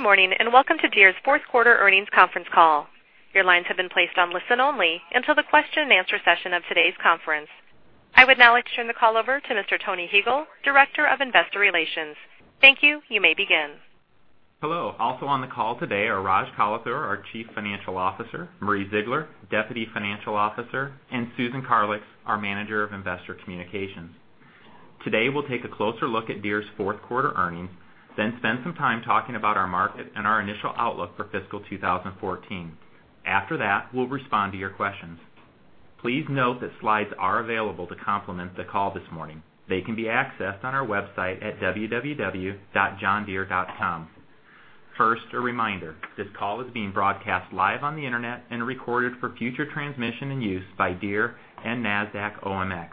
Good morning, and welcome to Deere's fourth quarter earnings conference call. Your lines have been placed on listen only until the question and answer session of today's conference. I would now like to turn the call over to Mr. Tony Huegel, Director of Investor Relations. Thank you. You may begin. Hello. Also on the call today are Raj Kalathur, our Chief Financial Officer, Marie Ziegler, Deputy Financial Officer, and Susan Karlix, our Manager of Investor Communications. Today, we'll take a closer look at Deere's fourth quarter earnings, then spend some time talking about our market and our initial outlook for fiscal 2014. After that, we'll respond to your questions. Please note that slides are available to complement the call this morning. They can be accessed on our website at www.johndeere.com. First, a reminder, this call is being broadcast live on the internet and recorded for future transmission and use by Deere and NASDAQ OMX.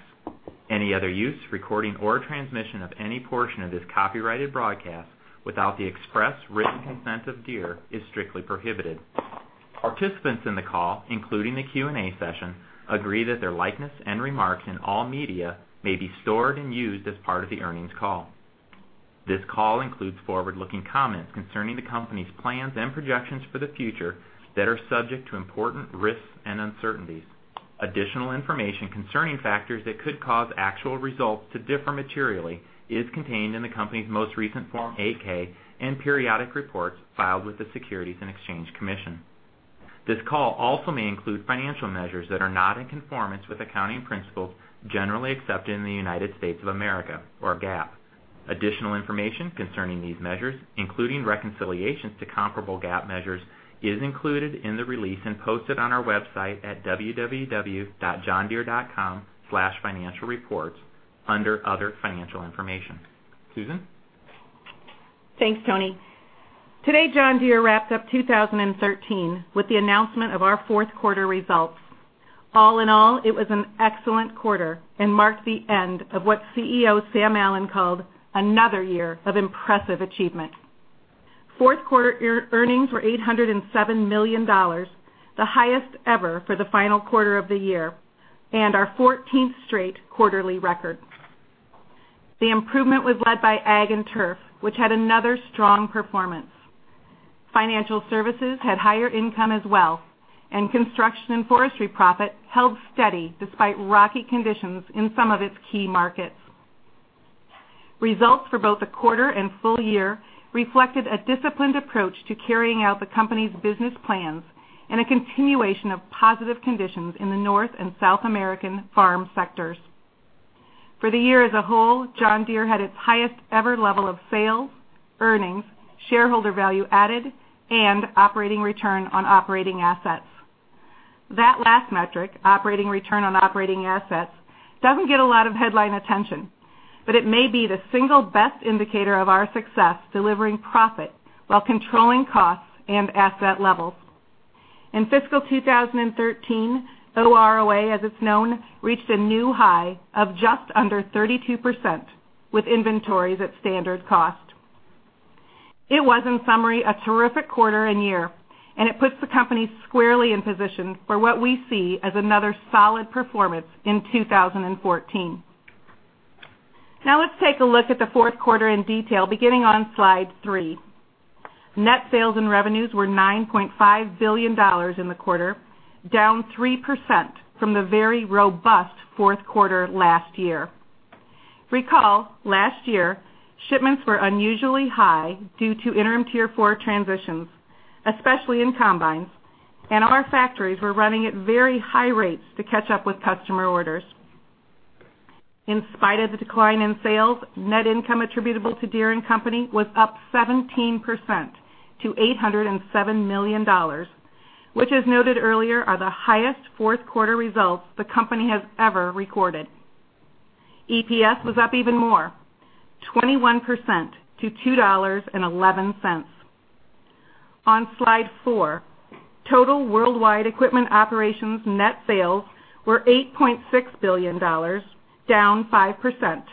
Any other use, recording, or transmission of any portion of this copyrighted broadcast without the express written consent of Deere is strictly prohibited. Participants in the call, including the Q&A session, agree that their likeness and remarks in all media may be stored and used as part of the earnings call. This call includes forward-looking comments concerning the company's plans and projections for the future that are subject to important risks and uncertainties. Additional information concerning factors that could cause actual results to differ materially is contained in the company's most recent Form 8-K and periodic reports filed with the Securities and Exchange Commission. This call also may include financial measures that are not in conformance with accounting principles generally accepted in the United States of America, or GAAP. Additional information concerning these measures, including reconciliations to comparable GAAP measures, is included in the release and posted on our website at www.johndeere.com/financialreports under Other Financial Information. Susan? Thanks, Tony. Today, John Deere wrapped up 2013 with the announcement of our fourth quarter results. All in all, it was an excellent quarter and marked the end of what CEO Sam Allen called another year of impressive achievement. Fourth quarter earnings were $807 million, the highest ever for the final quarter of the year, and our 14th straight quarterly record. The improvement was led by Ag and Turf, which had another strong performance. Financial services had higher income as well, and construction and forestry profit held steady despite rocky conditions in some of its key markets. Results for both the quarter and full year reflected a disciplined approach to carrying out the company's business plans and a continuation of positive conditions in the North and South American farm sectors. For the year as a whole, John Deere had its highest ever level of sales, earnings, shareholder value added, and operating return on operating assets. That last metric, operating return on operating assets, doesn't get a lot of headline attention, but it may be the single best indicator of our success delivering profit while controlling costs and asset levels. In fiscal 2013, OROA, as it's known, reached a new high of just under 32%, with inventories at standard cost. It was, in summary, a terrific quarter and year, and it puts the company squarely in position for what we see as another solid performance in 2014. Let's take a look at the fourth quarter in detail, beginning on slide three. Net sales and revenues were $9.5 billion in the quarter, down 3% from the very robust fourth quarter last year. Recall, last year, shipments were unusually high due to interim Tier 4 transitions, especially in combines, and our factories were running at very high rates to catch up with customer orders. In spite of the decline in sales, net income attributable to Deere & Company was up 17% to $807 million, which, as noted earlier, are the highest fourth quarter results the company has ever recorded. EPS was up even more, 21% to $2.11. On slide four, total worldwide equipment operations net sales were $8.6 billion, down 5%,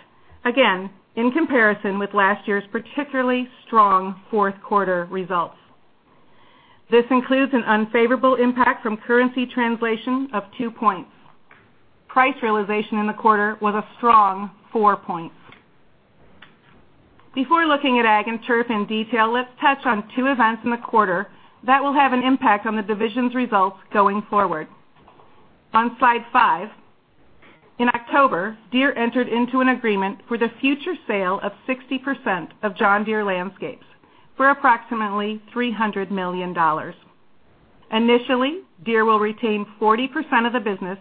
again, in comparison with last year's particularly strong fourth quarter results. This includes an unfavorable impact from currency translation of two points. Price realization in the quarter was a strong four points. Before looking at Ag and Turf in detail, let's touch on two events in the quarter that will have an impact on the division's results going forward. On slide five, in October, Deere entered into an agreement for the future sale of 60% of John Deere Landscapes for approximately $300 million. Initially, Deere will retain 40% of the business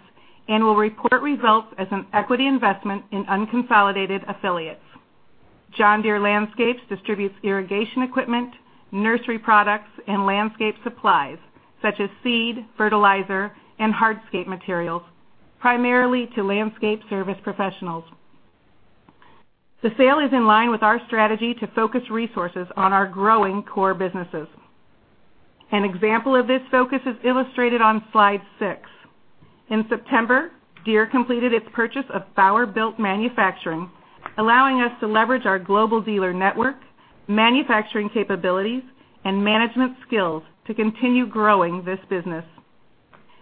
and will report results as an equity investment in unconsolidated affiliates. John Deere Landscapes distributes irrigation equipment, nursery products, and landscape supplies such as seed, fertilizer, and hardscape materials, primarily to landscape service professionals. The sale is in line with our strategy to focus resources on our growing core businesses. An example of this focus is illustrated on slide six. In September, Deere completed its purchase of Bauer Built Manufacturing, allowing us to leverage our global dealer network, manufacturing capabilities, and management skills to continue growing this business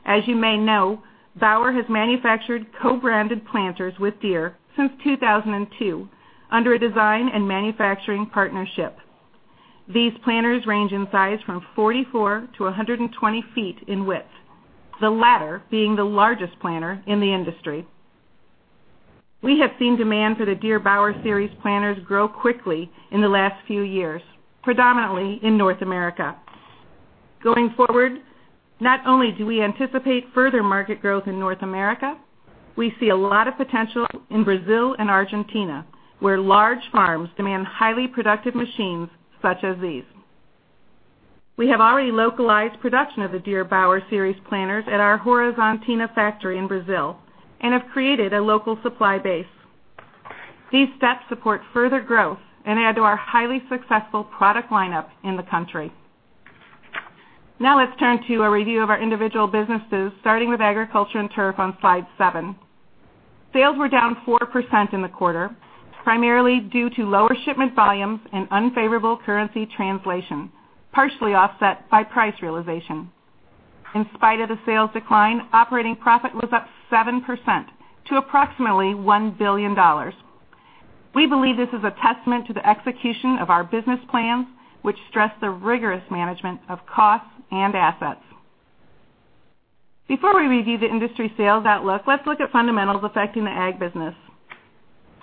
As you may know, Bauer has manufactured co-branded planters with Deere since 2002 under a design and manufacturing partnership. These planters range in size from 44 to 120 feet in width, the latter being the largest planter in the industry. We have seen demand for the Deere/Bauer Series planters grow quickly in the last few years, predominantly in North America. Going forward, not only do we anticipate further market growth in North America, we see a lot of potential in Brazil and Argentina, where large farms demand highly productive machines such as these. We have already localized production of the Deere/Bauer Series planters at our Horizontina factory in Brazil and have created a local supply base. These steps support further growth and add to our highly successful product lineup in the country. Let's turn to a review of our individual businesses, starting with Agriculture and Turf on slide seven. Sales were down 4% in the quarter, primarily due to lower shipment volumes and unfavorable currency translation, partially offset by price realization. In spite of the sales decline, operating profit was up 7% to approximately $1 billion. We believe this is a testament to the execution of our business plans, which stress the rigorous management of costs and assets. Before we review the industry sales outlook, let's look at fundamentals affecting the ag business.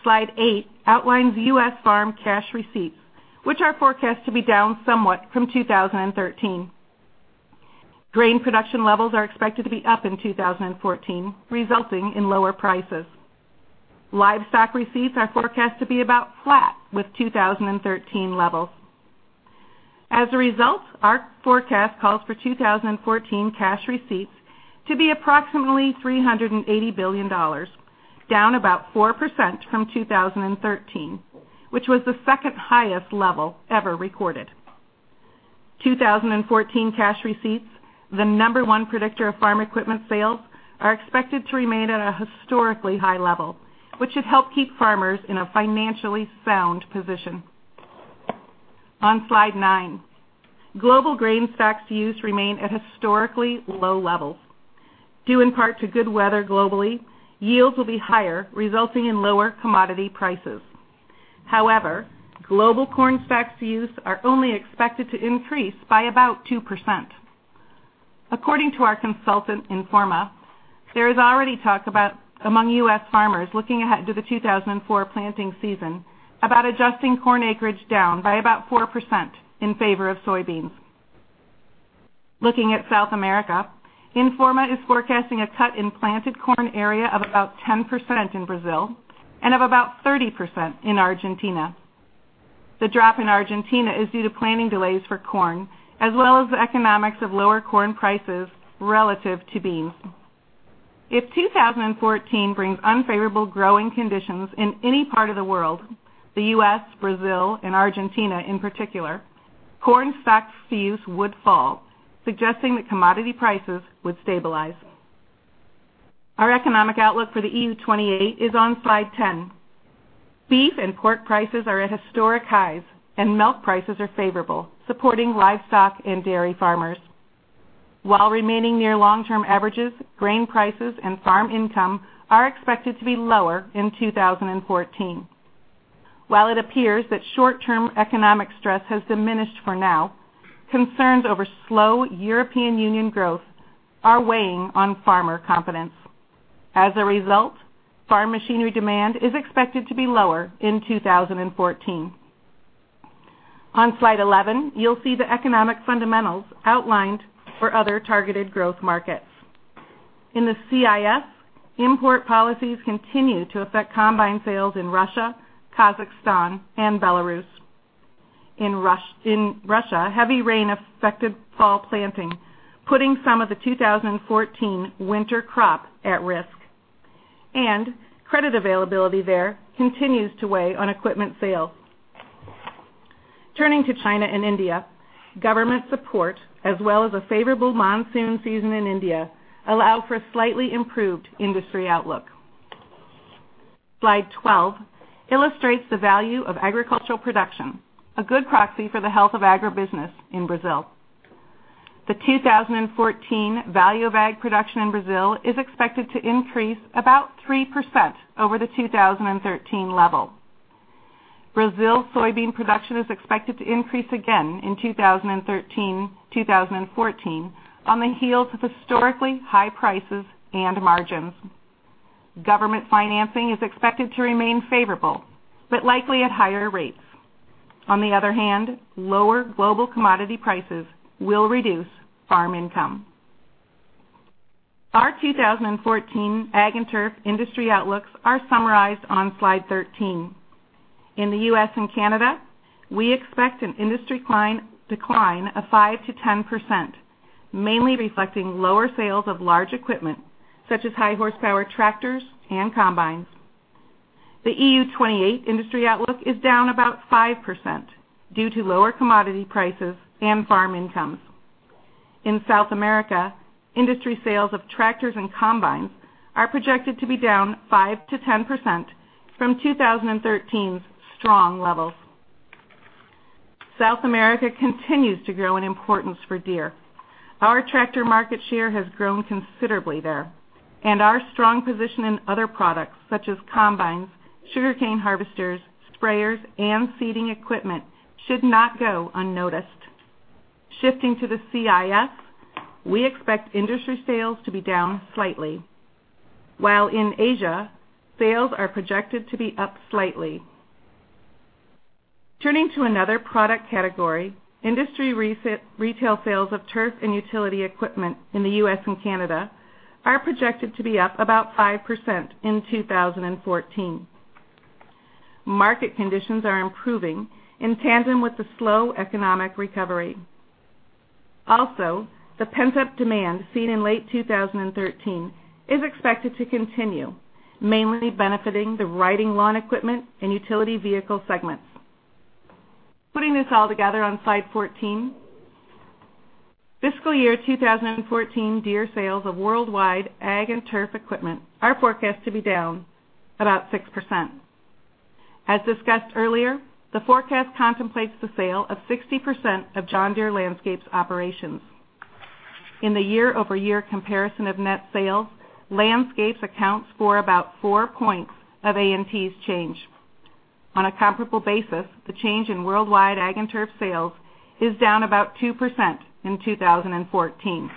Slide eight outlines U.S. farm cash receipts, which are forecast to be down somewhat from 2013. Grain production levels are expected to be up in 2014, resulting in lower prices. Livestock receipts are forecast to be about flat with 2013 levels. As a result, our forecast calls for 2014 cash receipts to be approximately $380 billion, down about 4% from 2013, which was the second-highest level ever recorded. 2014 cash receipts, the number 1 predictor of farm equipment sales, are expected to remain at a historically high level, which should help keep farmers in a financially sound position. On Slide nine, global grain stocks use remain at historically low levels. Due in part to good weather globally, yields will be higher, resulting in lower commodity prices. However, global corn stocks use are only expected to increase by about 2%. According to our consultant, Informa, there is already talk among U.S. farmers looking ahead to the 2014 planting season about adjusting corn acreage down by about 4% in favor of soybeans. Looking at South America, Informa is forecasting a cut in planted corn area of about 10% in Brazil and of about 30% in Argentina. The drop in Argentina is due to planting delays for corn, as well as the economics of lower corn prices relative to beans. If 2014 brings unfavorable growing conditions in any part of the world, the U.S., Brazil, and Argentina in particular, corn stocks use would fall, suggesting that commodity prices would stabilize. Our economic outlook for the EU 28 is on Slide 10. Beef and pork prices are at historic highs, and milk prices are favorable, supporting livestock and dairy farmers. While remaining near long-term averages, grain prices and farm income are expected to be lower in 2014. While it appears that short-term economic stress has diminished for now, concerns over slow European Union growth are weighing on farmer confidence. As a result, farm machinery demand is expected to be lower in 2014. On Slide 11, you'll see the economic fundamentals outlined for other targeted growth markets. In the CIS, import policies continue to affect combine sales in Russia, Kazakhstan, and Belarus. In Russia, heavy rain affected fall planting, putting some of the 2014 winter crop at risk, and credit availability there continues to weigh on equipment sales. Turning to China and India, government support, as well as a favorable monsoon season in India, allow for a slightly improved industry outlook. Slide 12 illustrates the value of agricultural production, a good proxy for the health of agribusiness in Brazil. The 2014 value of ag production in Brazil is expected to increase about 3% over the 2013 level. Brazil soybean production is expected to increase again in 2014 on the heels of historically high prices and margins. Government financing is expected to remain favorable, but likely at higher rates. On the other hand, lower global commodity prices will reduce farm income. Our 2014 Ag and Turf industry outlooks are summarized on Slide 13. In the U.S. and Canada, we expect an industry decline of 5%-10%, mainly reflecting lower sales of large equipment such as high-horsepower tractors and combines. The EU 28 industry outlook is down about 5% due to lower commodity prices and farm incomes. In South America, industry sales of tractors and combines are projected to be down 5%-10% from 2013's strong levels. South America continues to grow in importance for Deere. Our tractor market share has grown considerably there, and our strong position in other products such as combines, sugarcane harvesters, sprayers, and seeding equipment should not go unnoticed. Shifting to the CIS, we expect industry sales to be down slightly. While in Asia, sales are projected to be up slightly. Turning to another product category, industry retail sales of turf and utility equipment in the U.S. and Canada are projected to be up about 5% in 2014. Market conditions are improving in tandem with the slow economic recovery. Also, the pent-up demand seen in late 2013 is expected to continue, mainly benefiting the riding lawn equipment and utility vehicle segments. Putting this all together on slide 14, fiscal year 2014 Deere sales of worldwide Ag and Turf equipment are forecast to be down about 6%. As discussed earlier, the forecast contemplates the sale of 60% of John Deere Landscapes operations. In the year-over-year comparison of net sales, Landscapes accounts for about four points of A&T's change. On a comparable basis, the change in worldwide Ag and Turf sales is down about 2% in 2014.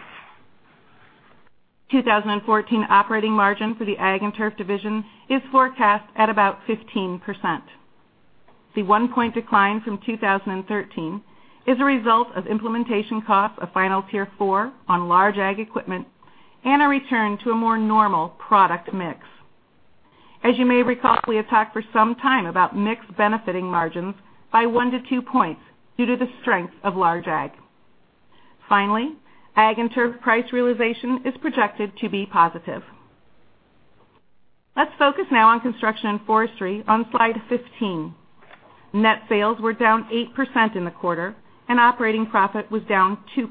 2014 operating margin for the Ag and Turf division is forecast at about 15%. The one-point decline from 2013 is a result of implementation costs of final Tier 4 on large Ag equipment and a return to a more normal product mix. As you may recall, we have talked for some time about mix benefiting margins by one to two points due to the strength of large Ag. Finally, Ag and Turf price realization is projected to be positive. Let's focus now on Construction and Forestry on slide 15. Net sales were down 8% in the quarter, and operating profit was down 2%.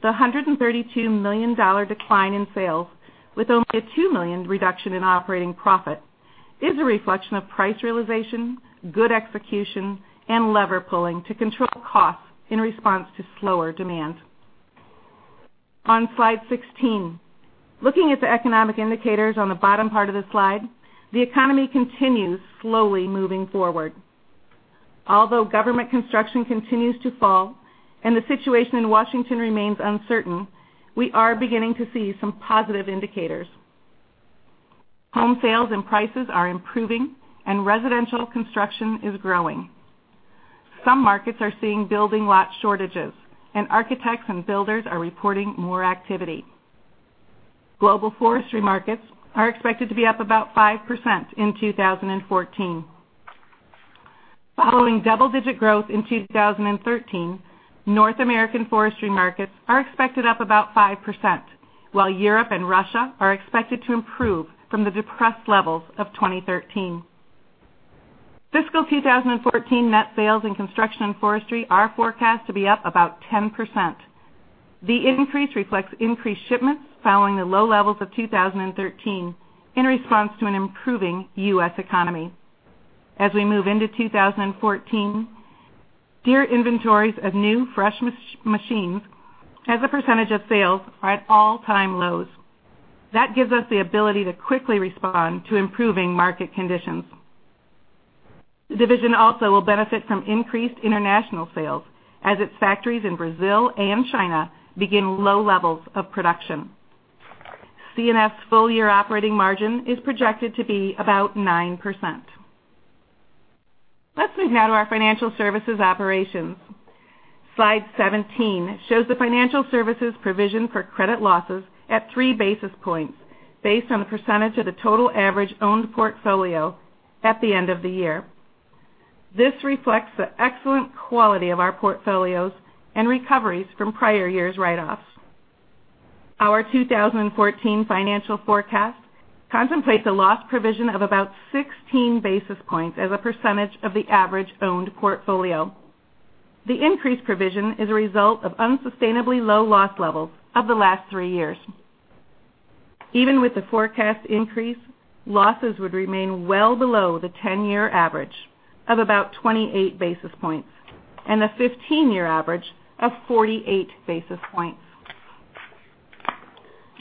The $132 million decline in sales with only a $2 million reduction in operating profit is a reflection of price realization, good execution, and lever-pulling to control costs in response to slower demand. On slide 16, looking at the economic indicators on the bottom part of the slide, the economy continues slowly moving forward. Although government construction continues to fall and the situation in Washington remains uncertain, we are beginning to see some positive indicators. Home sales and prices are improving and residential construction is growing. Some markets are seeing building lot shortages and architects and builders are reporting more activity. Global forestry markets are expected to be up about 5% in 2014. Following double-digit growth in 2013, North American forestry markets are expected up about 5%, while Europe and Russia are expected to improve from the depressed levels of 2013. Fiscal 2014 net sales in Construction and Forestry are forecast to be up about 10%. The increase reflects increased shipments following the low levels of 2013 in response to an improving U.S. economy. As we move into 2014, Deere inventories of new, fresh machines as a percentage of sales are at all-time lows. That gives us the ability to quickly respond to improving market conditions. The division also will benefit from increased international sales as its factories in Brazil and China begin low levels of production. C&F's full-year operating margin is projected to be about 9%. Let's move now to our financial services operations. Slide 17 shows the financial services provision for credit losses at three basis points, based on the percentage of the total average owned portfolio at the end of the year. This reflects the excellent quality of our portfolios and recoveries from prior years' write-offs. Our 2014 financial forecast contemplates a loss provision of about 16 basis points as a percentage of the average owned portfolio. The increased provision is a result of unsustainably low loss levels of the last three years. Even with the forecast increase, losses would remain well below the 10-year average of about 28 basis points and the 15-year average of 48 basis points.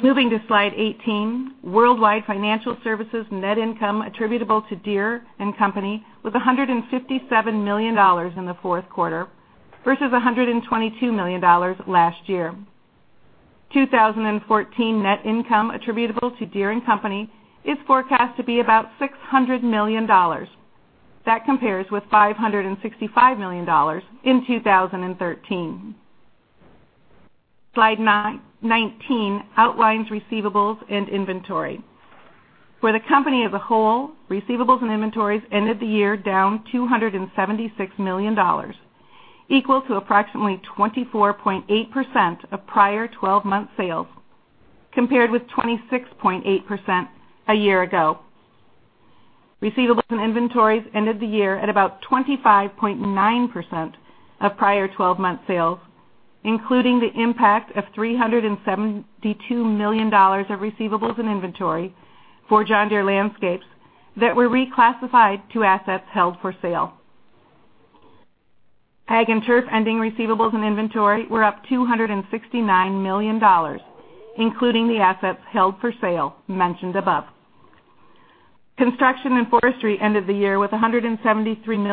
Moving to slide 18, worldwide financial services net income attributable to Deere & Company was $157 million in the fourth quarter versus $122 million last year. 2014 net income attributable to Deere & Company is forecast to be about $600 million. That compares with $565 million in 2013. Slide 19 outlines receivables and inventory. For the company as a whole, receivables and inventories ended the year down $276 million, equal to approximately 24.8% of prior 12-month sales, compared with 26.8% a year ago. Receivables and inventories ended the year at about 25.9% of prior 12-month sales. Including the impact of $372 million of receivables and inventory for John Deere Landscapes that were reclassified to assets held for sale. Ag and Turf ending receivables and inventory were up $269 million, including the assets held for sale mentioned above. Construction and Forestry ended the year down $173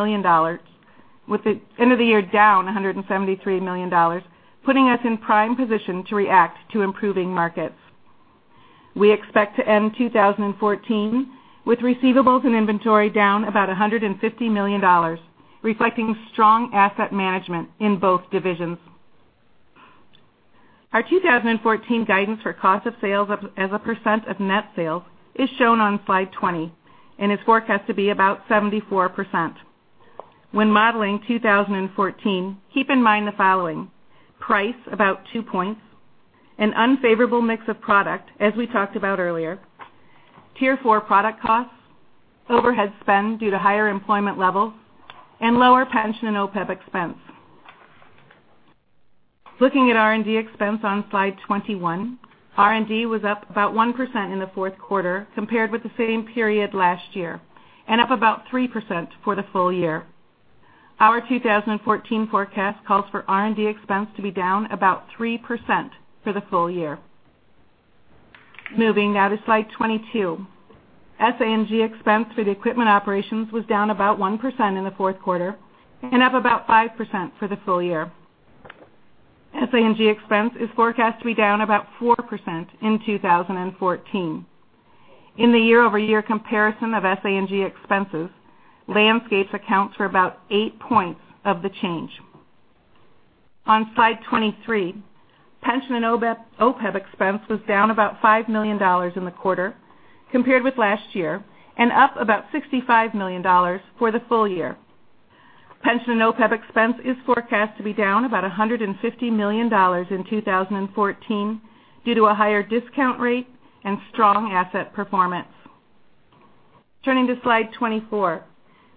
million, putting us in prime position to react to improving markets. We expect to end 2014 with receivables and inventory down about $150 million, reflecting strong asset management in both divisions. Our 2014 guidance for cost of sales as a percent of net sales is shown on slide 20 and is forecast to be about 74%. When modeling 2014, keep in mind the following: price about two points, an unfavorable mix of product, as we talked about earlier, Tier 4 product costs, overhead spend due to higher employment levels, and lower pension and OPEB expense. Looking at R&D expense on slide 21, R&D was up about 1% in the fourth quarter compared with the same period last year, and up about 3% for the full year. Our 2014 forecast calls for R&D expense to be down about 3% for the full year. Moving now to slide 22. SG&A expense for the equipment operations was down about 1% in the fourth quarter and up about 5% for the full year. SG&A expense is forecast to be down about 4% in 2014. In the year-over-year comparison of SG&A expenses, Landscapes accounts for about eight points of the change. On slide 23, pension and OPEB expense was down about $5 million in the quarter compared with last year and up about $65 million for the full year. Pension and OPEB expense is forecast to be down about $150 million in 2014 due to a higher discount rate and strong asset performance. Turning to slide 24.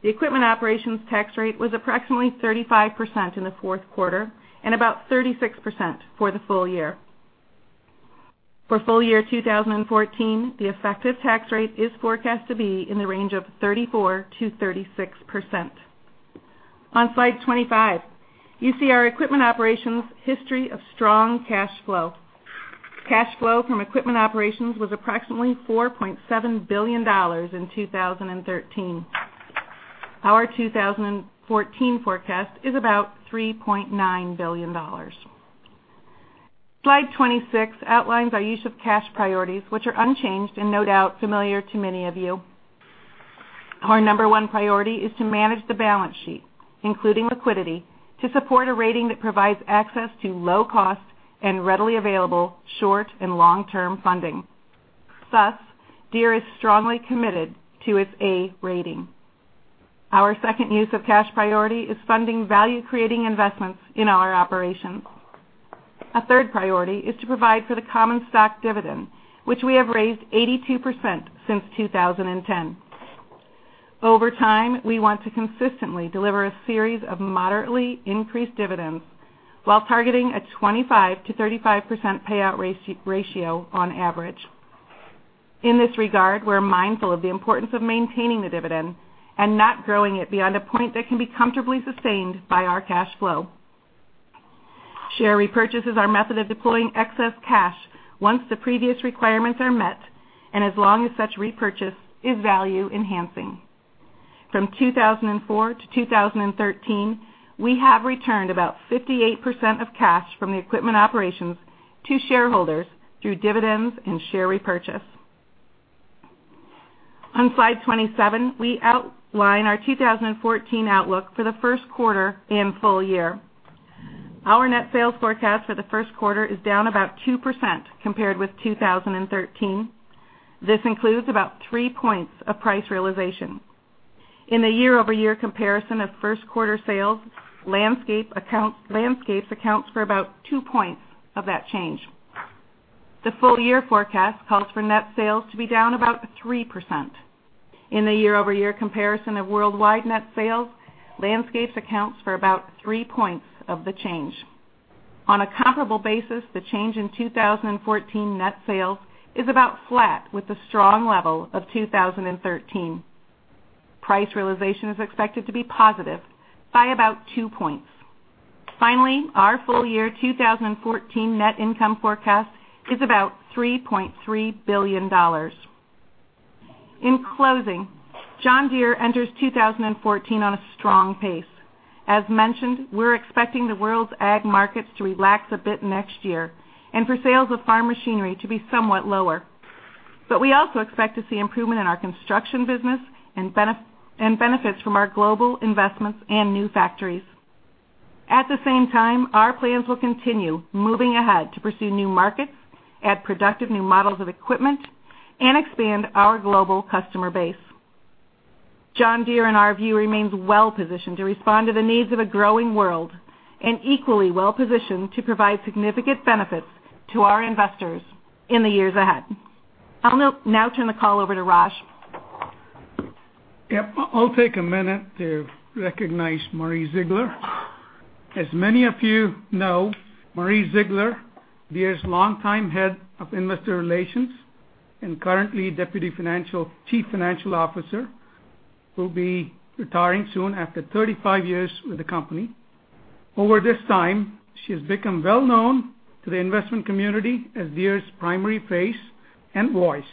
The equipment operations tax rate was approximately 35% in the fourth quarter and about 36% for the full year. For full year 2014, the effective tax rate is forecast to be in the range of 34%-36%. On slide 25, you see our equipment operations history of strong cash flow. Cash flow from equipment operations was approximately $4.7 billion in 2013. Our 2014 forecast is about $3.9 billion. Slide 26 outlines our use of cash priorities, which are unchanged and no doubt familiar to many of you. Our number 1 priority is to manage the balance sheet, including liquidity, to support a rating that provides access to low-cost and readily available short and long-term funding. Deere is strongly committed to its A rating. Our second use of cash priority is funding value-creating investments in our operations. A third priority is to provide for the common stock dividend, which we have raised 82% since 2010. Over time, we want to consistently deliver a series of moderately increased dividends while targeting a 25%-35% payout ratio on average. In this regard, we're mindful of the importance of maintaining the dividend and not growing it beyond a point that can be comfortably sustained by our cash flow. Share repurchase is our method of deploying excess cash once the previous requirements are met and as long as such repurchase is value-enhancing. From 2004 to 2013, we have returned about 58% of cash from the equipment operations to shareholders through dividends and share repurchase. On slide 27, we outline our 2014 outlook for the first quarter and full year. Our net sales forecast for the first quarter is down about 2% compared with 2013. This includes about three points of price realization. In the year-over-year comparison of first quarter sales, Landscapes accounts for about two points of that change. The full-year forecast calls for net sales to be down about 3%. In the year-over-year comparison of worldwide net sales, Landscapes accounts for about three points of the change. On a comparable basis, the change in 2014 net sales is about flat with the strong level of 2013. Price realization is expected to be positive by about two points. Finally, our full year 2014 net income forecast is about $3.3 billion. In closing, John Deere enters 2014 on a strong pace. As mentioned, we're expecting the world's ag markets to relax a bit next year, and for sales of farm machinery to be somewhat lower. We also expect to see improvement in our construction business and benefits from our global investments and new factories. At the same time, our plans will continue moving ahead to pursue new markets, add productive new models of equipment, and expand our global customer base. John Deere, in our view, remains well-positioned to respond to the needs of a growing world, and equally well-positioned to provide significant benefits to our investors in the years ahead. I'll now turn the call over to Raj Yep. I'll take a minute to recognize Marie Ziegler. As many of you know, Marie Ziegler, Deere's longtime head of investor relations and currently Deputy Chief Financial Officer, will be retiring soon after 35 years with the company. Over this time, she has become well-known to the investment community as Deere's primary face and voice.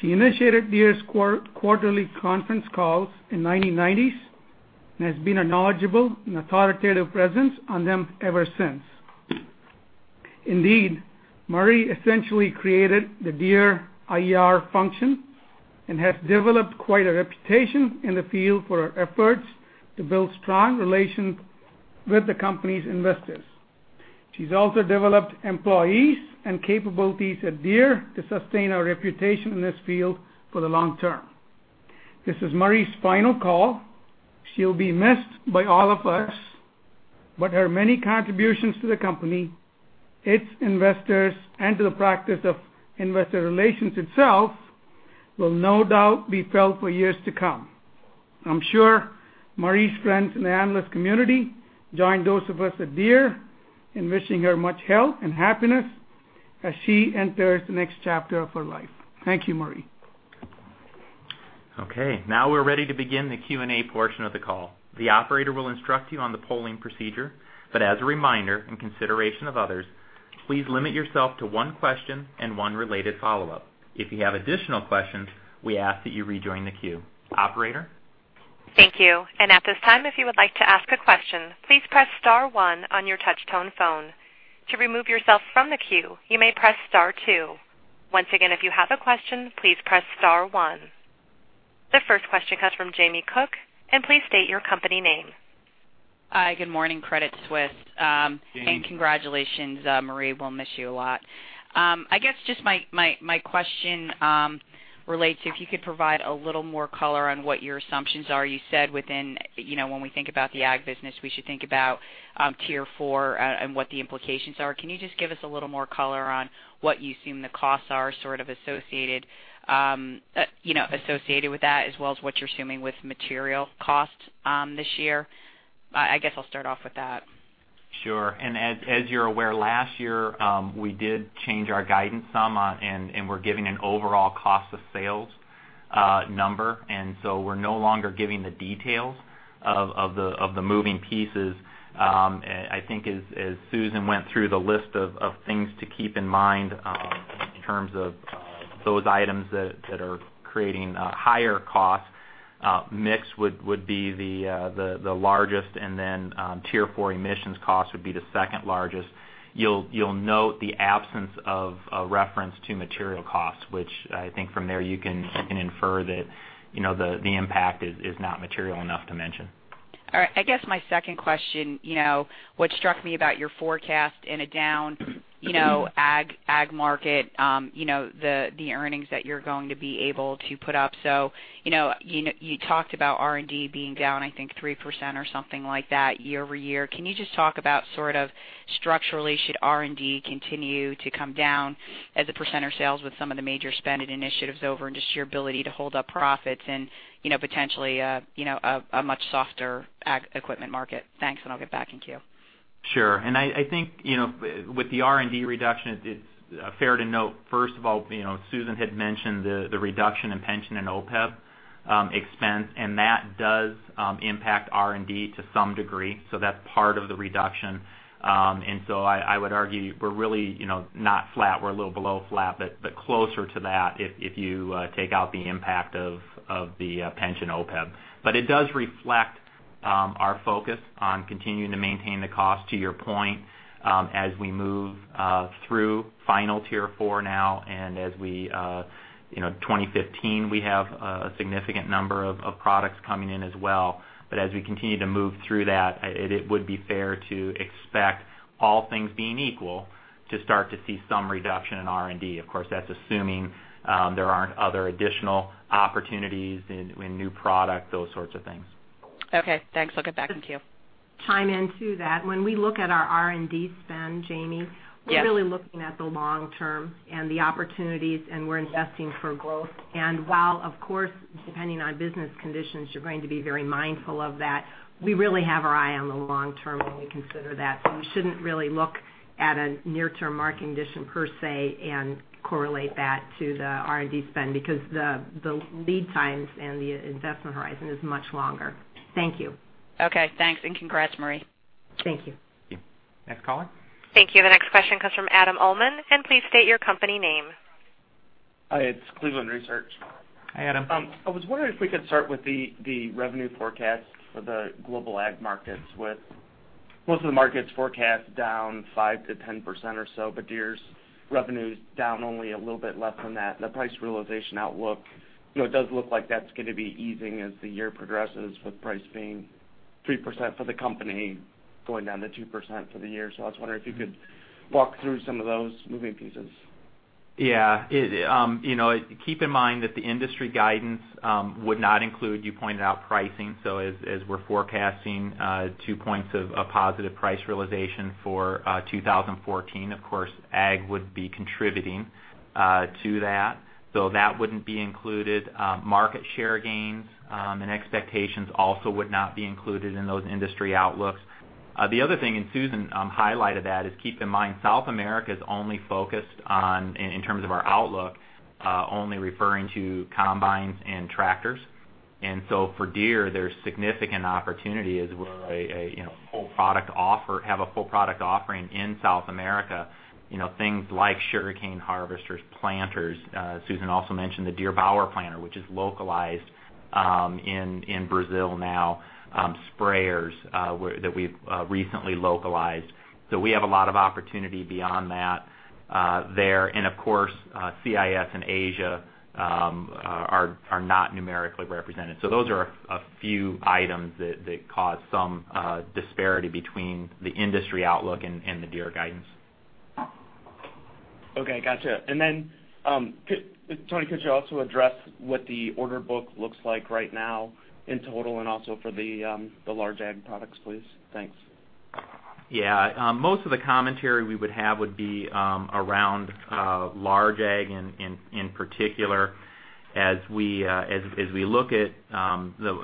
She initiated Deere's quarterly conference calls in 1990s, and has been a knowledgeable and authoritative presence on them ever since. Indeed, Marie essentially created the Deere IR function and has developed quite a reputation in the field for her efforts to build strong relations with the company's investors. She's also developed employees and capabilities at Deere to sustain our reputation in this field for the long term. This is Marie's final call. She'll be missed by all of us, her many contributions to the company, its investors, and to the practice of investor relations itself will no doubt be felt for years to come. I'm sure Marie's friends in the analyst community join those of us at Deere in wishing her much health and happiness as she enters the next chapter of her life. Thank you, Marie. Okay, now we're ready to begin the Q&A portion of the call. The operator will instruct you on the polling procedure, as a reminder, in consideration of others, please limit yourself to one question and one related follow-up. If you have additional questions, we ask that you rejoin the queue. Operator? Thank you. At this time, if you would like to ask a question, please press *1 on your touch tone phone. To remove yourself from the queue, you may press *2. Once again, if you have a question, please press *1. The first question comes from Jamie Cook, please state your company name. Hi, good morning, Credit Suisse. Jamie. Congratulations, Marie. We'll miss you a lot. I guess just my question relates to if you could provide a little more color on what your assumptions are. You said when we think about the Ag Business, we should think about Tier 4 and what the implications are. Can you just give us a little more color on what you assume the costs are sort of associated with that, as well as what you're assuming with material costs this year? I guess I'll start off with that. Sure. As you're aware, last year, we did change our guidance some and we're giving an overall cost of sales number. We're no longer giving the details of the moving pieces. I think as Susan went through the list of things to keep in mind in terms of those items that are creating higher costs, mix would be the largest, then Tier 4 emissions cost would be the second largest. You'll note the absence of a reference to material costs, which I think from there you can infer that the impact is not material enough to mention. All right. I guess my second question, what struck me about your forecast in a down Ag market, the earnings that you're going to be able to put up. You talked about R&D being down, I think 3% or something like that year-over-year. Can you just talk about sort of structurally should R&D continue to come down as a percent of sales with some of the major spending initiatives over and just your ability to hold up profits in potentially a much softer Ag equipment market? Thanks, and I'll get back in queue. I think with the R&D reduction, it's fair to note, first of all, Susan had mentioned the reduction in pension and OPEB expense. That does impact R&D to some degree. That's part of the reduction. I would argue we're really not flat. We're a little below flat, but closer to that if you take out the impact of the pension OPEB. It does reflect our focus on continuing to maintain the cost to your point as we move through final Tier 4 now. 2015, we have a significant number of products coming in as well. As we continue to move through that, it would be fair to expect all things being equal to start to see some reduction in R&D. That's assuming there aren't other additional opportunities in new product, those sorts of things. Okay, thanks. I'll get back in queue. Chime into that. When we look at our R&D spend, Jamie- Yes We're really looking at the long term and the opportunities, and we're investing for growth. While of course, depending on business conditions, you're going to be very mindful of that, we really have our eye on the long term when we consider that. We shouldn't really look at a near term market condition per se and correlate that to the R&D spend because the lead times and the investment horizon is much longer. Thank you. Okay, thanks, and congrats, Marie. Thank you. Thank you. Next caller. Thank you. The next question comes from Adam Ulman, and please state your company name. Hi, it's Cleveland Research. Hi, Adam. I was wondering if we could start with the revenue forecast for the global ag markets with most of the markets forecast down 5%-10% or so, but Deere's revenue's down only a little bit less than that. The price realization outlook, it does look like that's going to be easing as the year progresses, with price being 3% for the company going down to 2% for the year. I was wondering if you could walk through some of those moving pieces. Keep in mind that the industry guidance would not include, you pointed out pricing. As we're forecasting two points of positive price realization for 2014, of course, ag would be contributing to that. That wouldn't be included. Market share gains and expectations also would not be included in those industry outlooks. The other thing, Susan highlighted that, is keep in mind, South America is only focused on, in terms of our outlook, only referring to combines and tractors. For Deere, there's significant opportunity as we have a full product offering in South America. Things like sugarcane harvesters, planters. Susan also mentioned the Deere Bauer planter, which is localized in Brazil now. Sprayers that we've recently localized. We have a lot of opportunity beyond that there. Of course, CIS and Asia are not numerically represented. Those are a few items that cause some disparity between the industry outlook and the Deere guidance. Okay, gotcha. Then, Tony, could you also address what the order book looks like right now in total and also for the large ag products, please? Thanks. Yeah. Most of the commentary we would have would be around large ag in particular. We look at the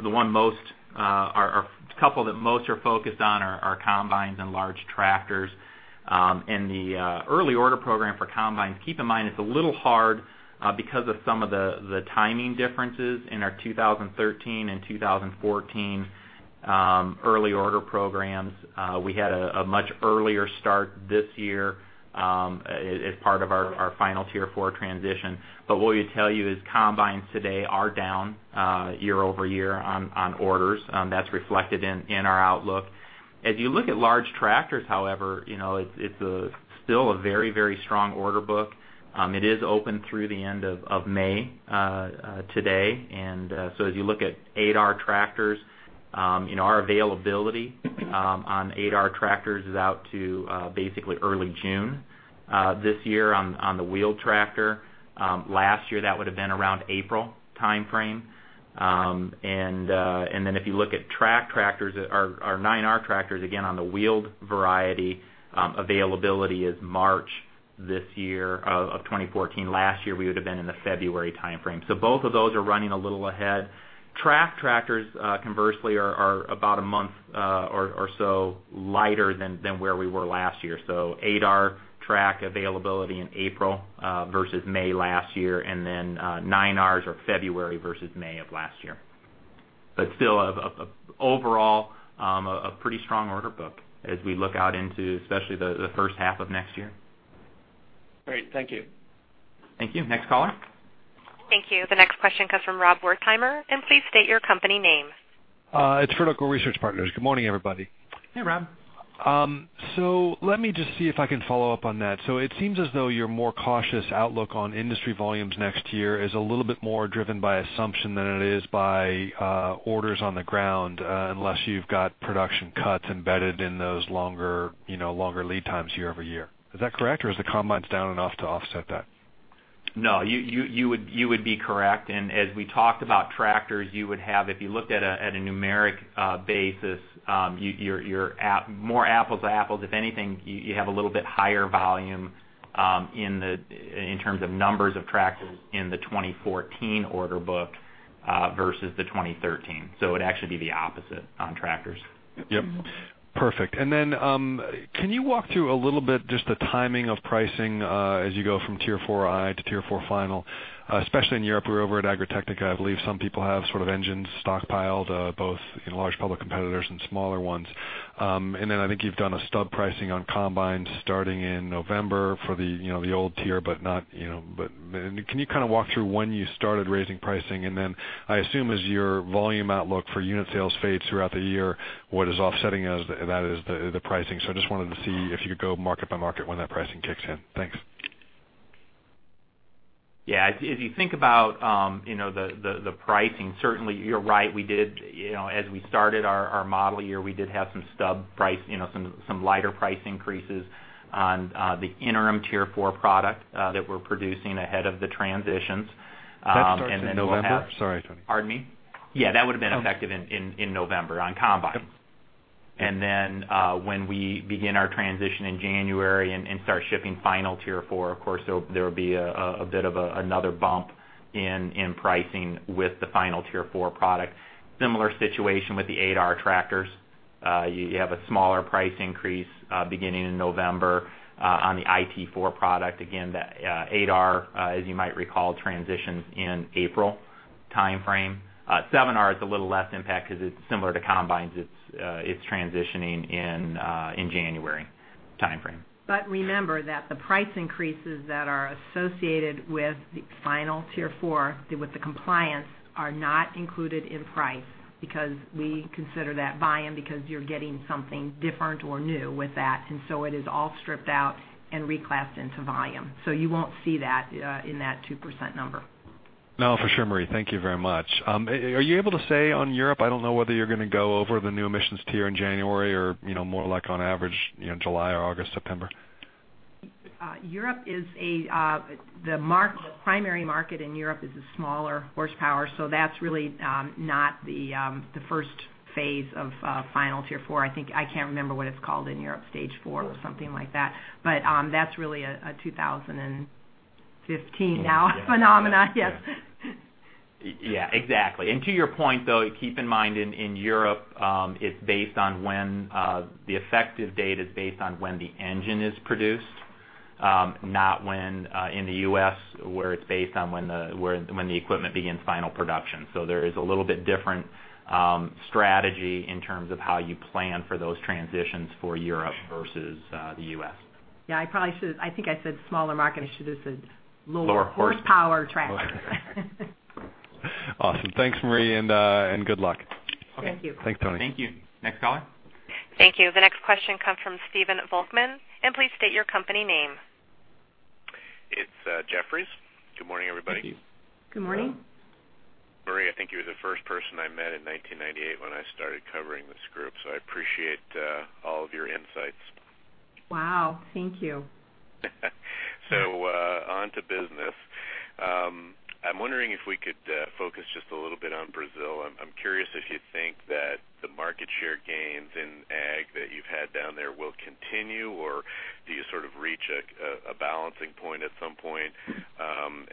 couple that most are focused on are combines and large tractors. The early order program for combines, keep in mind, it's a little hard because of some of the timing differences in our 2013 and 2014 early order programs. We had a much earlier start this year as part of our final Tier 4 transition. What we'll tell you is combines today are down year-over-year on orders. That's reflected in our outlook. You look at large tractors, however, it's still a very strong order book. It is open through the end of May today. So as you look at 8R tractors, our availability on 8R tractors is out to basically early June this year on the wheeled tractor. Last year, that would've been around April timeframe. Then if you look at track tractors, our 9R tractors, again, on the wheeled variety, availability is March this year of 2014. Last year, we would've been in the February timeframe. Both of those are running a little ahead. Track tractors, conversely, are about a month or so lighter than where we were last year. 8R track availability in April versus May last year, then 9Rs are February versus May of last year. Still, overall, a pretty strong order book as we look out into especially the first half of next year. Great. Thank you. Thank you. Next caller. Thank you. The next question comes from Rob Wertheimer. Please state your company name. It's Vertical Research Partners. Good morning, everybody. Hey, Rob. Let me just see if I can follow up on that. It seems as though your more cautious outlook on industry volumes next year is a little bit more driven by assumption than it is by orders on the ground, unless you've got production cuts embedded in those longer lead times year-over-year. Is that correct, or is the combines down enough to offset that? No, you would be correct. As we talked about tractors, you would have, if you looked at a numeric basis, more apples to apples, if anything, you have a little bit higher volume in terms of numbers of tractors in the 2014 order book versus the 2013. It'd actually be the opposite on tractors. Yep. Perfect. Can you walk through a little bit just the timing of pricing as you go from Tier 4i to Tier 4 final, especially in Europe. We were over at Agritechnica. I believe some people have sort of engines stockpiled both in large public competitors and smaller ones. I think you've done a stub pricing on combines starting in November for the old tier. Can you kind of walk through when you started raising pricing? I assume as your volume outlook for unit sales fades throughout the year, what is offsetting that is the pricing. I just wanted to see if you could go market by market when that pricing kicks in. Thanks. Yeah. If you think about the pricing, certainly, you're right. As we started our model year, we did have some lighter price increases on the interim Tier 4 product that we're producing ahead of the transitions. That starts in November? Sorry, Tony. Pardon me? Yeah, that would've been effective in November on combines. Yep. When we begin our transition in January and start shipping final Tier 4, of course, there'll be a bit of another bump in pricing with the final Tier 4 product. Similar situation with the 8R tractors. You have a smaller price increase beginning in November on the IT4 product. Again, that 8R, as you might recall, transitions in April timeframe. 7R is a little less impact because it's similar to combines. It's transitioning in January timeframe. Remember that the price increases that are associated with the final Tier 4, with the compliance, are not included in price because we consider that volume because you're getting something different or new with that. It is all stripped out and reclassed into volume. You won't see that in that 2% number. No, for sure, Marie. Thank you very much. Are you able to say on Europe, I don't know whether you're going to go over the new emissions tier in January or more like on average July or August, September? The primary market in Europe is a smaller horsepower, so that's really not the first phase of final Tier 4. I can't remember what it's called in Europe, Stage IV or something like that. That's really a 2015 now phenomenon. Yes. Yeah, exactly. To your point, though, keep in mind in Europe, the effective date is based on when the engine is produced, not when in the U.S. where it's based on when the equipment begins final production. There is a little bit different strategy in terms of how you plan for those transitions for Europe versus the U.S. Yeah, I think I said smaller market. I should have said lower- Lower horse horsepower tractors. Awesome. Thanks, Marie, and good luck. Thank you. Thank you. Thanks, Tony. Thank you. Next caller. Thank you. The next question comes from Stephen Volkmann, please state your company name. It's Jefferies. Good morning, everybody. Thank you. Good morning. Marie, I think you were the first person I met in 1998 when I started covering this group, so I appreciate all of your insights. Wow. Thank you. On to business. I'm wondering if we could focus just a little bit on Brazil. I'm curious if you think that the market share gains in ag that you've had down there will continue, or do you sort of reach a balancing point at some point?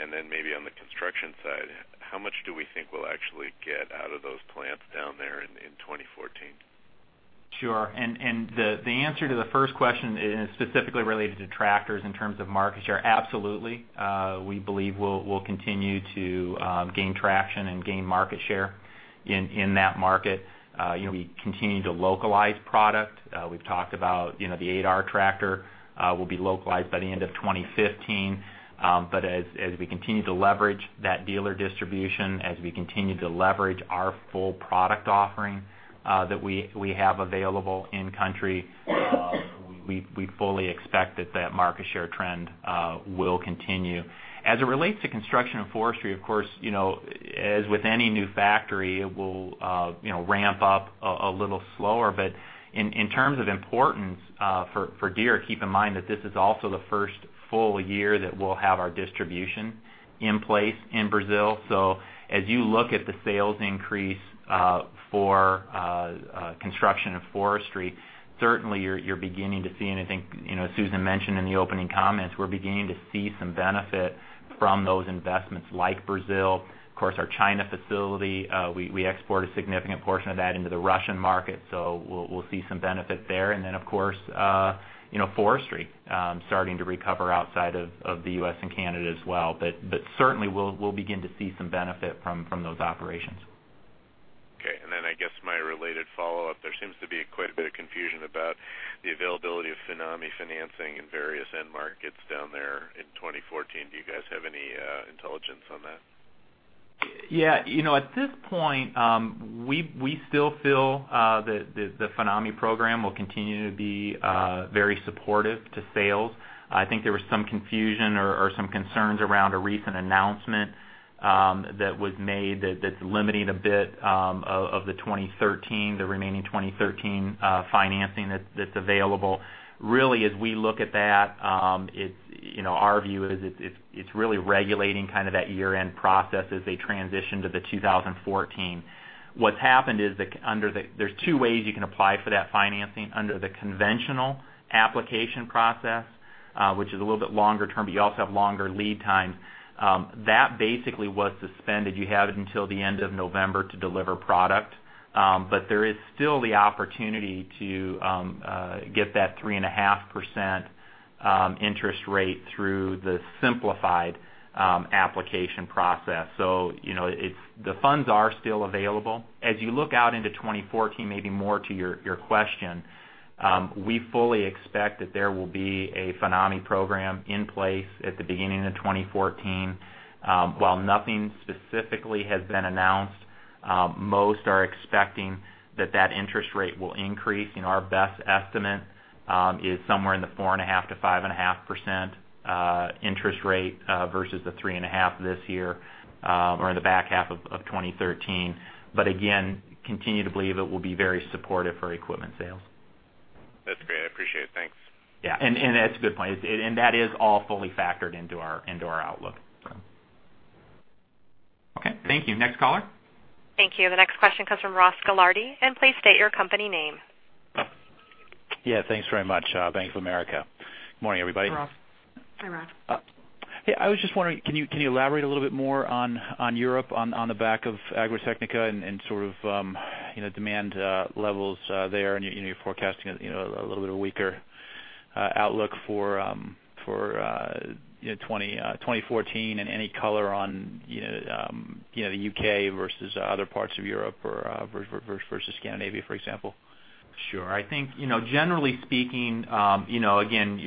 Then maybe on the construction side, how much do we think we'll actually get out of those plants down there in 2014? Sure. The answer to the first question is specifically related to tractors in terms of market share. Absolutely. We believe we'll continue to gain traction and gain market share in that market. We continue to localize product. We've talked about the 8R tractor will be localized by the end of 2015. But as we continue to leverage that dealer distribution, as we continue to leverage our full product offering that we have available in country, we fully expect that that market share trend will continue. As it relates to Construction & Forestry, of course, as with any new factory, it will ramp up a little slower. But in terms of importance for Deere, keep in mind that this is also the first full year that we'll have our distribution in place in Brazil. As you look at the sales increase for Construction and Forestry, certainly you're beginning to see, and I think Susan mentioned in the opening comments, we're beginning to see some benefit from those investments like Brazil. Of course, our China facility, we export a significant portion of that into the Russian market, we'll see some benefit there. Of course, forestry starting to recover outside of the U.S. and Canada as well. Certainly, we'll begin to see some benefit from those operations. Okay. I guess my related follow-up, there seems to be quite a bit of confusion about the availability of FINAME financing in various end markets down there in 2014. Do you guys have any intelligence on that? Yeah. At this point, we still feel that the FINAME program will continue to be very supportive to sales. I think there was some confusion or some concerns around a recent announcement that was made that's limiting a bit of the remaining 2013 financing that's available. Really, as we look at that, our view is it's really regulating kind of that year-end process as they transition to the 2014. What's happened is there's two ways you can apply for that financing under the conventional application process, which is a little bit longer term, but you also have longer lead time. That basically was suspended. You have it until the end of November to deliver product. There is still the opportunity to get that 3.5% interest rate through the simplified application process. The funds are still available. As you look out into 2014, maybe more to your question, we fully expect that there will be a FINAME program in place at the beginning of 2014. While nothing specifically has been announced, most are expecting that that interest rate will increase. Our best estimate is somewhere in the 4.5%-5.5% interest rate versus the 3.5% this year or in the back half of 2013. Again, continue to believe it will be very supportive for equipment sales. That's great. I appreciate it. Thanks. Yeah. That's a good point. That is all fully factored into our outlook. Okay. Thank you. Next caller. Thank you. The next question comes from Ross Gilardi. Please state your company name. Thanks very much. Bank of America. Good morning, everybody. Ross. Hi, Ross. Hey, I was just wondering, can you elaborate a little bit more on Europe on the back of Agritechnica and sort of demand levels there and you're forecasting a little bit weaker outlook for 2014 and any color on the U.K. versus other parts of Europe or versus Scandinavia, for example? Sure. I think generally speaking, again,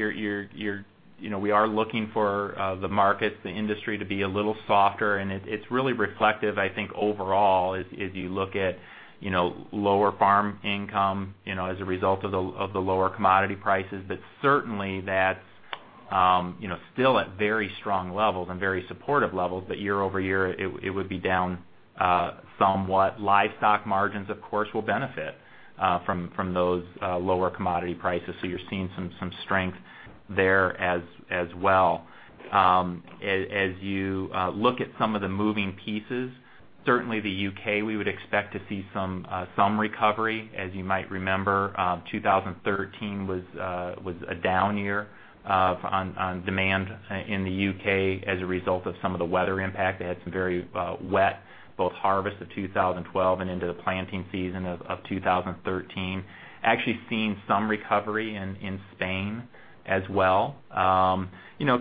we are looking for the market, the industry to be a little softer, and it's really reflective, I think, overall as you look at lower farm income as a result of the lower commodity prices. Certainly that's still at very strong levels and very supportive levels. Year-over-year, it would be down somewhat. Livestock margins, of course, will benefit from those lower commodity prices. You're seeing some strength there as well. As you look at some of the moving pieces, certainly the U.K., we would expect to see some recovery. As you might remember, 2013 was a down year on demand in the U.K. as a result of some of the weather impact. They had some very wet, both harvest of 2012 and into the planting season of 2013. Actually seeing some recovery in Spain as well.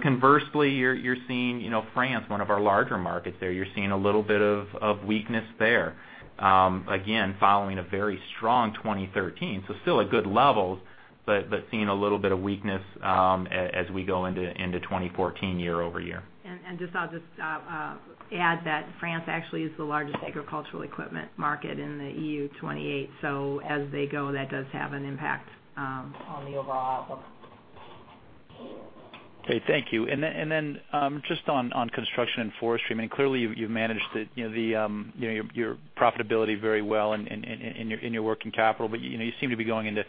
Conversely, you're seeing France, one of our larger markets there, you're seeing a little bit of weakness there. Again, following a very strong 2013. Still at good levels, but seeing a little bit of weakness as we go into 2014 year-over-year. Just I'll add that France actually is the largest agricultural equipment market in the EU 28, as they go, that does have an impact on the overall outlook. Okay, thank you. Just on Construction and Forestry, I mean, clearly, you've managed your profitability very well in your working capital, but you seem to be going into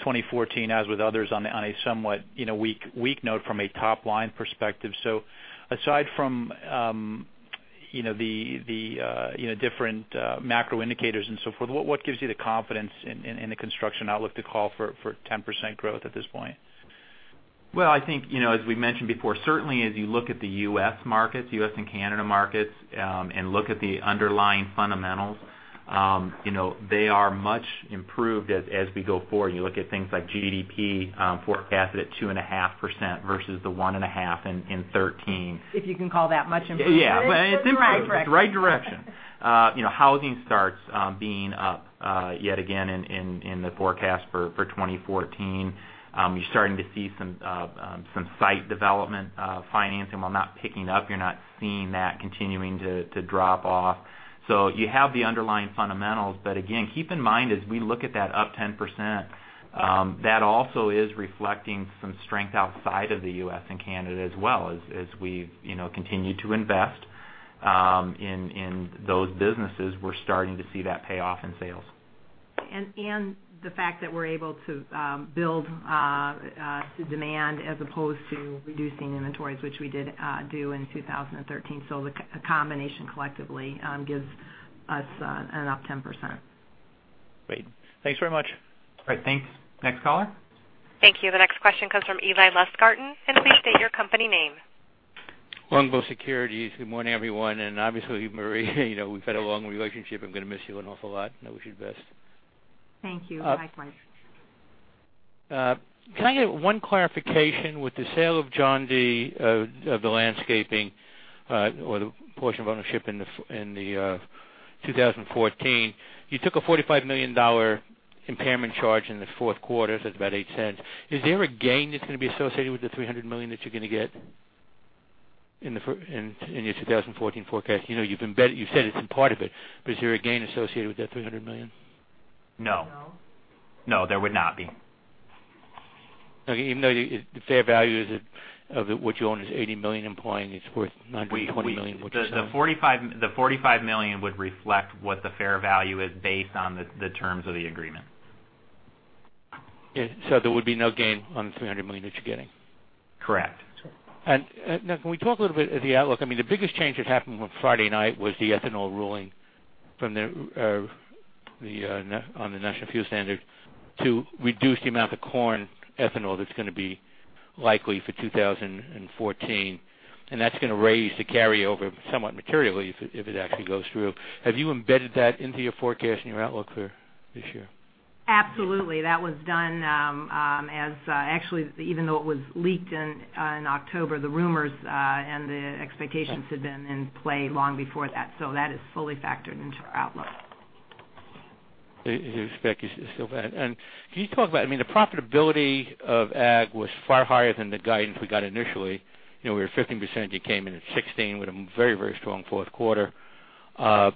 2014, as with others, on a somewhat weak note from a top-line perspective. Aside from the different macro indicators and so forth, what gives you the confidence in the construction outlook to call for 10% growth at this point? I think, as we mentioned before, certainly as you look at the U.S. markets, U.S. and Canada markets, and look at the underlying fundamentals, they are much improved as we go forward. You look at things like GDP forecasted at 2.5% versus the 1.5% in 2013. If you can call that much improved. Yeah. It's the right direction. It's the right direction. Housing starts being up yet again in the forecast for 2014. You're starting to see some site development financing, while not picking up, you're not seeing that continuing to drop off. You have the underlying fundamentals. Again, keep in mind, as we look at that up 10%, that also is reflecting some strength outside of the U.S. and Canada as well as we've continued to invest in those businesses, we're starting to see that pay off in sales. The fact that we're able to build to demand as opposed to reducing inventories, which we did do in 2013. The combination collectively gives us an up 10%. Great. Thanks very much. All right, thanks. Next caller. Thank you. The next question comes from Eli Lustgarten, and please state your company name. Longbow Research. Good morning, everyone, and obviously, Marie, we've had a long relationship. I'm going to miss you an awful lot, and I wish you the best. Thank you. Likewise. Can I get one clarification? With the sale of John Deere Landscapes or the portion of ownership in 2014, you took a $45 million impairment charge in the fourth quarter, so that's about $0.08. Is there a gain that's going to be associated with the $300 million that you're going to get in your 2014 forecast? You've said it's in part of it, but is there a gain associated with that $300 million? No. No. No, there would not be. Okay. Even though the fair value of what you own is $80 million, implying it's worth $120 million, which is. The $45 million would reflect what the fair value is based on the terms of the agreement. There would be no gain on the $300 million that you're getting? Correct. Now can we talk a little bit of the outlook? I mean, the biggest change that happened on Friday night was the ethanol ruling on the national fuel standard to reduce the amount of corn ethanol that's going to be likely for 2014, and that's going to raise the carryover somewhat materially if it actually goes through. Have you embedded that into your forecast and your outlook for this year? Absolutely. That was done as, actually, even though it was leaked in October, the rumors and the expectations had been in play long before that. That is fully factored into our outlook. I expect you still had. Can you talk about, I mean, the profitability of ag was far higher than the guidance we got initially. We were at 15%, you came in at 16% with a very strong fourth quarter. Was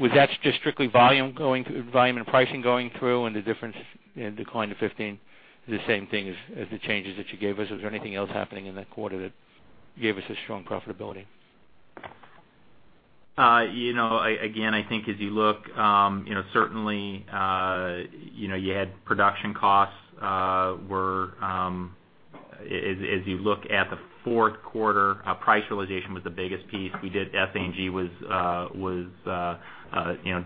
that just strictly volume and pricing going through and the difference in decline to 15%, the same thing as the changes that you gave us? Was there anything else happening in that quarter that gave us a strong profitability? I think as you look, certainly, you had production costs, as you look at the fourth quarter, price realization was the biggest piece. We did SA&G was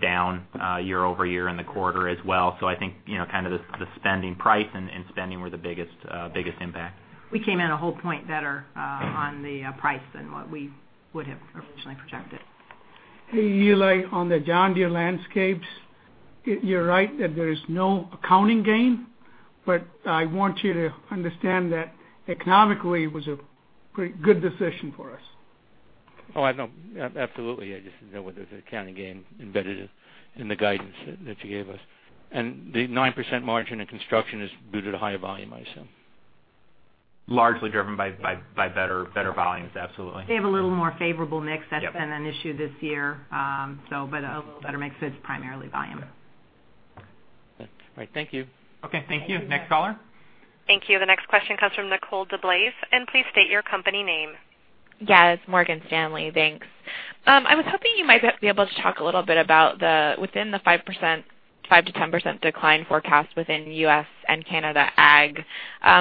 down year-over-year in the quarter as well. I think the spending price and spending were the biggest impact. We came in a whole point better on the price than what we would have originally projected. Hey, Eli, on the John Deere Landscapes, you're right that there is no accounting gain, but I want you to understand that economically, it was a pretty good decision for us. Oh, I know. Absolutely. I just didn't know whether it was an accounting gain embedded in the guidance that you gave us. The 9% margin in construction is due to the higher volume, I assume. Largely driven by better volumes, absolutely. They have a little more favorable mix. That's been an issue this year. A little better mix is primarily volume. Yeah. All right. Thank you. Okay. Thank you. Next caller. Thank you. The next question comes from Nicole DeBlase. Please state your company name. Yes, Morgan Stanley. Thanks. I was hoping you might be able to talk a little bit about within the 5%-10% decline forecast within U.S. and Canada ag.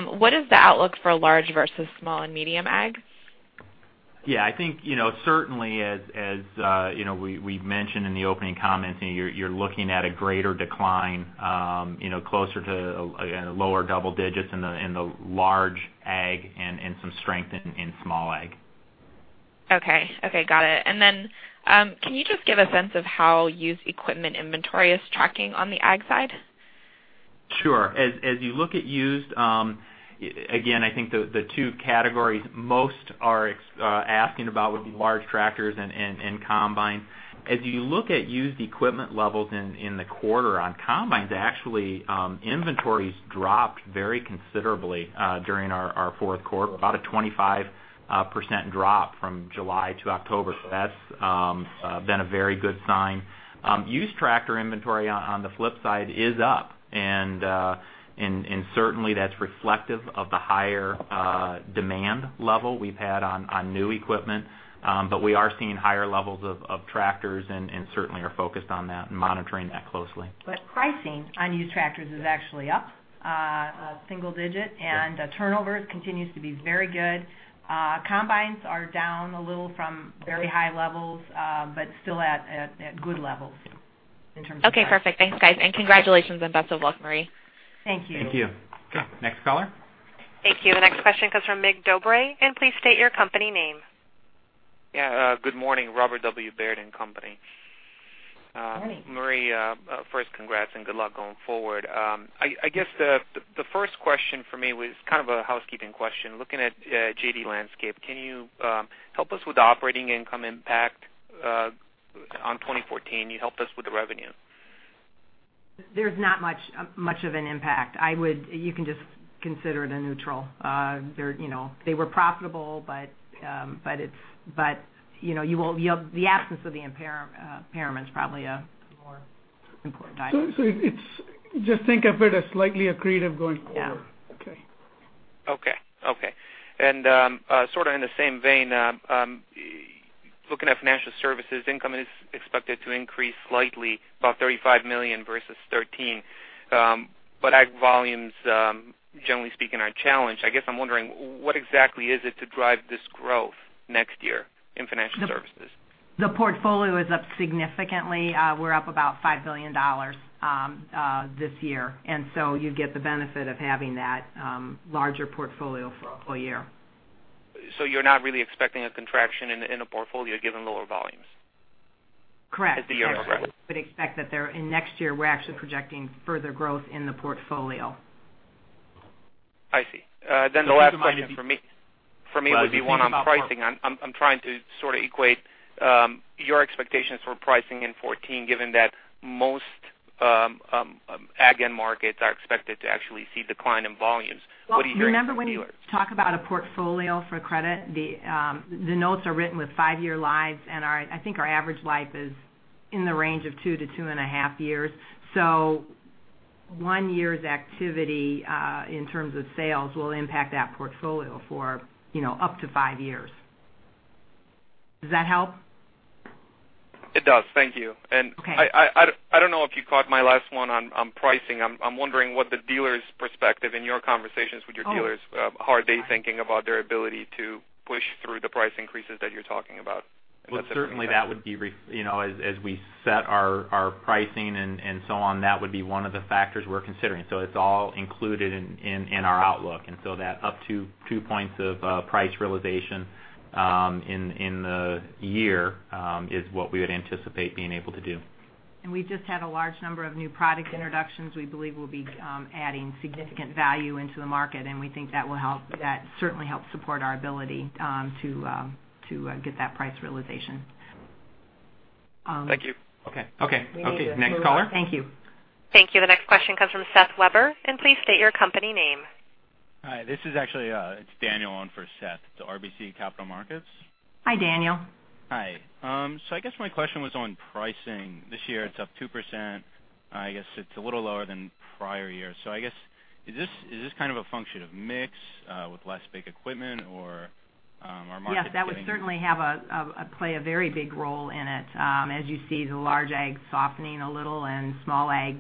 What is the outlook for large versus small and medium ag? Yeah, I think, certainly as we've mentioned in the opening comments, you're looking at a greater decline, closer to lower double digits in the large ag and some strength in small ag. Okay. Got it. Can you just give a sense of how used equipment inventory is tracking on the ag side? Sure. As you look at used, again, I think the two categories most are asking about would be large tractors and combine. As you look at used equipment levels in the quarter on combines, actually, inventories dropped very considerably during our fourth quarter, about a 25% drop from July to October. That's been a very good sign. Used tractor inventory on the flip side is up and certainly that's reflective of the higher demand level we've had on new equipment. We are seeing higher levels of tractors and certainly are focused on that and monitoring that closely. Pricing on used tractors is actually up a single digit and the turnover continues to be very good. Combines are down a little from very high levels. Okay, perfect. Thanks, guys. Congratulations and best of luck, Marie. Thank you. Thank you. Okay, next caller. Thank you. The next question comes from Mircea Dobre. Please state your company name. Yeah. Good morning, Robert W. Baird & Co. Morning. Marie, first congrats and good luck going forward. I guess the first question for me was kind of a housekeeping question. Looking at JD Landscape, can you help us with the operating income impact on 2014? You helped us with the revenue. There's not much of an impact. You can just consider it a neutral. They were profitable, the absence of the impairment is probably a more important driver. Just think of it as slightly accretive going forward. Yeah. Okay. Okay. Sort of in the same vein, looking at financial services, income is expected to increase slightly, about $35 million versus $13 million. Ag volumes, generally speaking, are challenged. I guess I'm wondering what exactly is it to drive this growth next year in financial services? The portfolio is up significantly. We're up about $5 billion this year. You get the benefit of having that larger portfolio for a full year. You're not really expecting a contraction in the portfolio given lower volumes? Correct. At the year end, correct. You would expect that in next year, we're actually projecting further growth in the portfolio. I see. The last question for me. Well, I think about four would be one on pricing. I'm trying to sort of equate your expectations for pricing in 2014, given that most ag end markets are expected to actually see decline in volumes. What are you hearing from your dealers? Well, remember when you talk about a portfolio for credit, the notes are written with five-year lives and I think our average life is in the range of two to two and a half years. One year's activity, in terms of sales, will impact that portfolio for up to five years. Does that help? It does. Thank you. Okay. I don't know if you caught my last one on pricing. I'm wondering what the dealers' perspective in your conversations with your dealers. Oh How are they thinking about their ability to push through the price increases that you're talking about? Well, certainly that would be, as we set our pricing and so on, that would be one of the factors we're considering. It's all included in our outlook. That up to two points of price realization in the year, is what we would anticipate being able to do. We just had a large number of new product introductions we believe will be adding significant value into the market, and we think that certainly helps support our ability to get that price realization. Thank you. Okay. We need to move on. Okay, next caller? Thank you. Thank you. The next question comes from Seth Weber. Please state your company name. Hi, this is actually Daniel on for Seth. It's RBC Capital Markets. Hi, Daniel. Hi. I guess my question was on pricing. This year it's up 2%. I guess it's a little lower than prior years. I guess, is this kind of a function of mix, with less big equipment or are markets getting? Yes, that would certainly play a very big role in it. As you see the large ag softening a little and small ag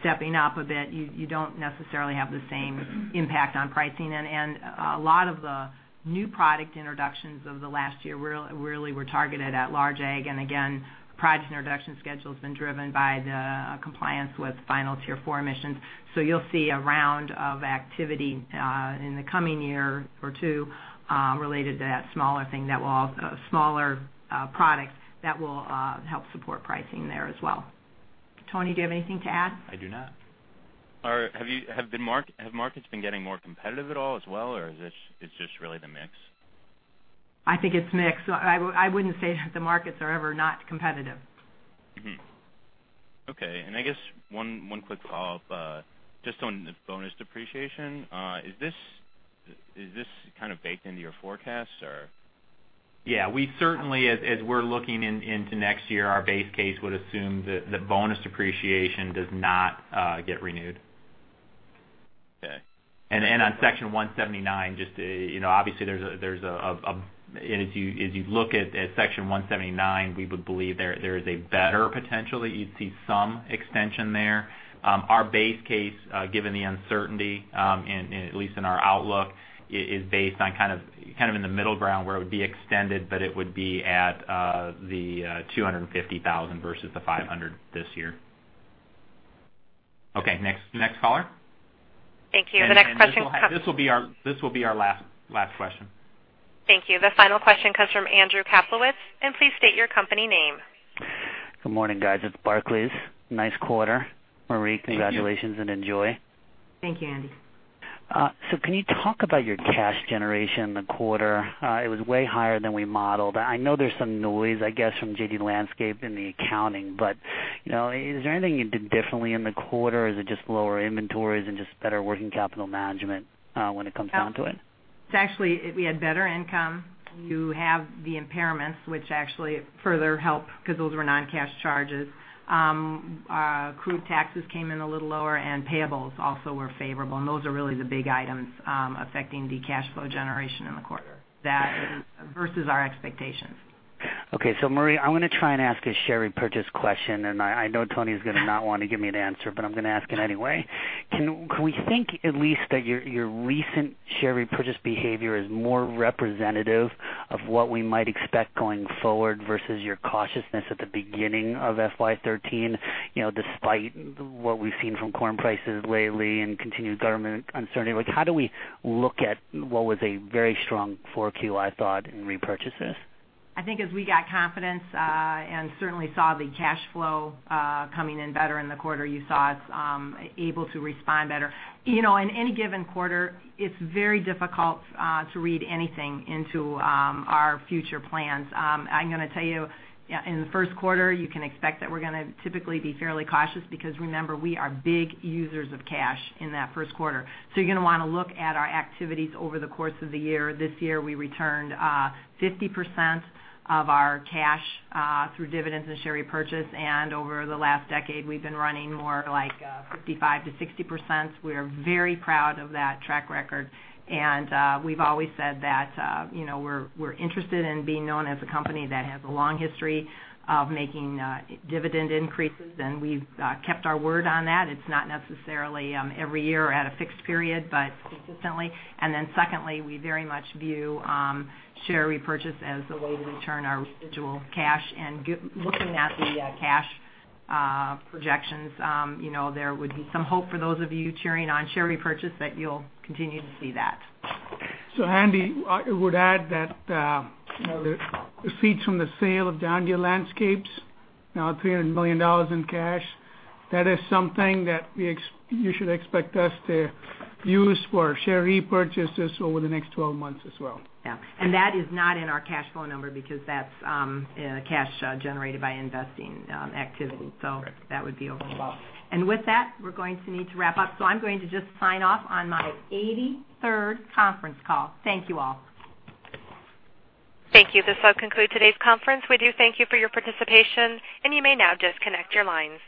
stepping up a bit, you don't necessarily have the same impact on pricing. A lot of the new product introductions over the last year really were targeted at large ag. Again, product introduction schedule's been driven by the compliance with final Tier 4 emissions. You'll see a round of activity in the coming year or two related to that smaller product that will help support pricing there as well. Tony, do you have anything to add? I do not. Have markets been getting more competitive at all as well, or it's just really the mix? I think it's mix. I wouldn't say that the markets are ever not competitive. Okay. I guess one quick follow-up, just on the bonus depreciation. Is this kind of baked into your forecast or? Yeah. We certainly, as we're looking into next year, our base case would assume that bonus depreciation does not get renewed. Okay. On Section 179, obviously, as you look at Section 179, we would believe there is a better potential that you'd see some extension there. Our base case, given the uncertainty, at least in our outlook, is based on kind of in the middle ground where it would be extended, but it would be at the $250,000 versus the $500 this year. Okay, next caller. Thank you. The next question. This will be our last question. Thank you. The final question comes from Andrew Kaplowitz. Please state your company name. Good morning, guys. It's Barclays. Nice quarter. Marie. Thank you. Congratulations and enjoy. Thank you, Andy. Can you talk about your cash generation in the quarter? It was way higher than we modeled. I know there's some noise, I guess, from JD Landscape and the accounting, but is there anything you did differently in the quarter, or is it just lower inventories and just better working capital management when it comes down to it? It's actually, we had better income. You have the impairments, which actually further help because those were non-cash charges. Accrued taxes came in a little lower, and payables also were favorable. Those are really the big items affecting the cash flow generation in the quarter versus our expectations. Okay. Marie, I'm going to try and ask a share repurchase question, and I know Tony is going to not want to give me an answer, but I'm going to ask it anyway. Can we think at least that your recent share repurchase behavior is more representative of what we might expect going forward versus your cautiousness at the beginning of FY 2013, despite what we've seen from corn prices lately and continued government uncertainty? How do we look at what was a very strong 4Q, I thought, in repurchases? I think as we got confidence and certainly saw the cash flow coming in better in the quarter, you saw us able to respond better. In any given quarter, it's very difficult to read anything into our future plans. I'm going to tell you, in the first quarter, you can expect that we're going to typically be fairly cautious because remember, we are big users of cash in that first quarter. You're going to want to look at our activities over the course of the year. This year, we returned 50% of our cash through dividends and share repurchase, and over the last decade, we've been running more like 55%-60%. We are very proud of that track record, and we've always said that we're interested in being known as a company that has a long history of making dividend increases, and we've kept our word on that. It's not necessarily every year at a fixed period, but consistently. Secondly, we very much view share repurchase as the way to return our residual cash. Looking at the cash projections, there would be some hope for those of you cheering on share repurchase that you'll continue to see that. Andy, I would add that the receipts from the sale of the John Deere Landscapes, now at $300 million in cash, that is something that you should expect us to use for share repurchases over the next 12 months as well. Yeah. That is not in our cash flow number because that's cash generated by investing activity. That would be overall. With that, we're going to need to wrap up, so I'm going to just sign off on my 83rd conference call. Thank you all. Thank you. This will conclude today's conference. We do thank you for your participation, and you may now disconnect your lines.